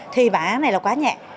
thì bản án này là quá nhẹ